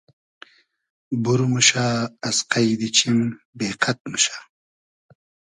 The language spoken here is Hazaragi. بور موشۂ از قݷدی چیم بې قئد موشۂ